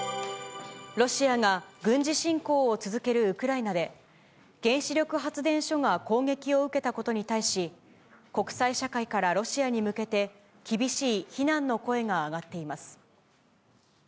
ロシアが、軍事侵攻を続けるウクライナで、原子力発電所が攻撃を受けたことに対し、国際社会からロシアに向けて厳しい非難の声が上がっています。